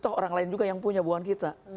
tahu orang lain juga yang punya uang kita